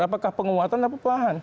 apakah penguatan atau pelahan